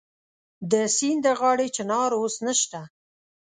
د سیند د غاړې چنار اوس نشته